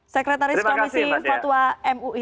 sekretaris komisi fatwa mui